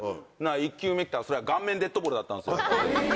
１球目きたらそれが顔面デッドボールだったんすよ。